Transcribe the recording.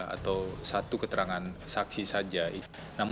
atau satu keterangan saksi saja